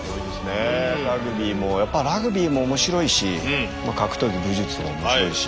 ラグビーもやっぱラグビーも面白いし格闘技武術も面白いし。